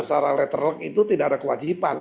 secara letterlock itu tidak ada kewajiban